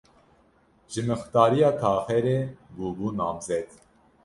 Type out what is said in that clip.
Ji mixtariya taxê re bûbû namzet.